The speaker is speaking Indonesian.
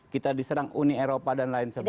kita diserang uni eropa dan lain sebagainya